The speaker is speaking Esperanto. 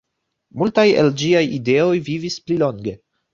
Multaj el ĝiaj ideoj vivis pli longe.